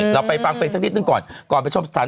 เราไปฟังเครื่องเตรียมก่อน